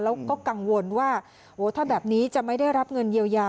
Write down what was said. แล้วก็กังวลว่าถ้าแบบนี้จะไม่ได้รับเงินเยียวยา